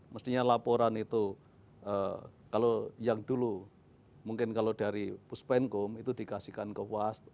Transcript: mestinya laporan itu kalau yang dulu mungkin kalau dari puspenkum itu dikasihkan ke was